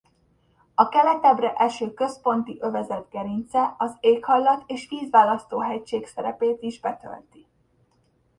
A keletebbre eső központi övezet gerince az éghajlat- és vízválasztó hegység szerepét is betölti.